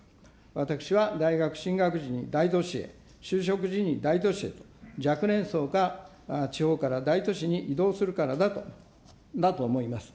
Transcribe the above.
私は大学進学時に大都市へ、就職時に大都市へ、若年層が地方から大都市に移動するからだと思います。